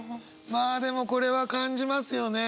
まあでもこれは感じますよね。